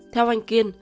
theo anh kiên